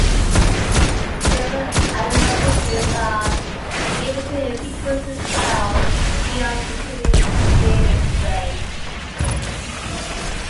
Several animal species are able to hear frequencies well beyond the human hearing range.